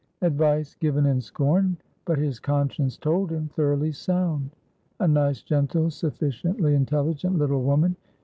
Advice given in scorn, but, his conscience told him, thoroughly sound. A nice, gentle, sufficiently intelligent little woman.